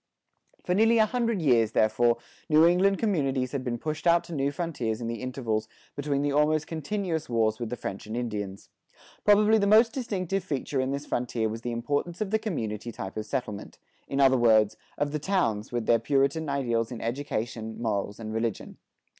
[73:1] For nearly a hundred years, therefore, New England communities had been pushed out to new frontiers in the intervals between the almost continuous wars with the French and Indians. Probably the most distinctive feature in this frontier was the importance of the community type of settlement; in other words, of the towns, with their Puritan ideals in education, morals, and religion.